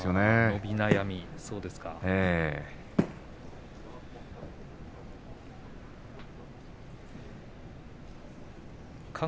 伸び悩み、そうですか。